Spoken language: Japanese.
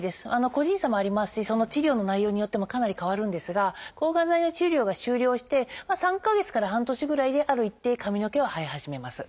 個人差もありますしその治療の内容によってもかなり変わるんですが抗がん剤の治療が終了して３か月から半年ぐらいである一定髪の毛は生え始めます。